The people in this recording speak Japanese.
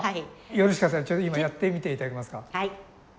よろしかったらちょっと今やってみて頂けますか？